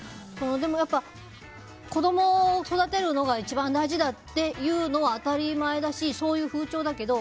やっぱ、子供を育てるのが一番大事だというのは当たり前だしそういう風潮だけど